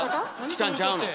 きたんちゃうの？